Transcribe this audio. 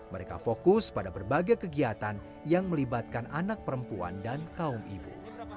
mereka fokus pada berbagai kegiatan yang melibatkan anak perempuan dan kaum ibu